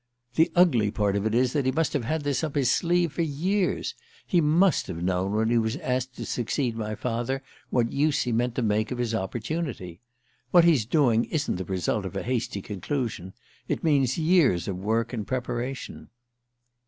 "The ugly part of it is that he must have had this up his sleeve for years. He must have known when he was asked to succeed my father what use he meant to make of his opportunity. What he's doing isn't the result of a hasty conclusion: it means years of work and preparation."